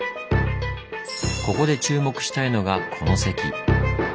ここで注目したいのがこの堰。